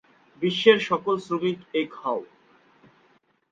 বিশ্বের সকল শ্রমিক, এক হও!